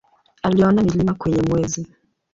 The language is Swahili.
Aliona milima kwenye Mwezi.